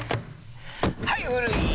はい古い！